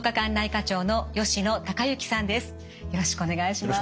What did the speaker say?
よろしくお願いします。